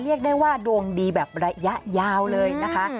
เรียกได้ว่าดวงดีแบบระยะยาวเลยนะคะ